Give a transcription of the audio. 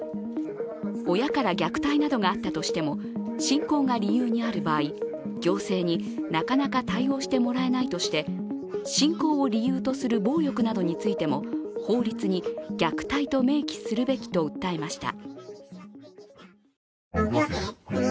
親から虐待などがあったとしても信仰が理由にある場合行政になかなか対応してもらえないとして信仰を理由とする暴力などについても法律に虐待と明記するべきと訴えました。